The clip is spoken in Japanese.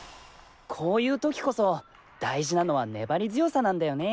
こういう時こそ大事なのは粘り強さなんだよね。